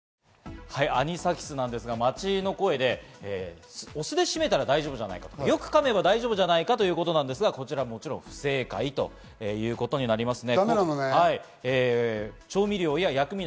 アニサキスなんですが、街の声でお酢でしめたら大丈夫じゃないか、よくかめば大丈夫じゃないかということですが、こちらもちろん不正解ということになります。